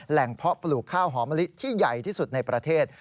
เพาะปลูกข้าวหอมะลิที่ใหญ่ที่สุดในประเทศ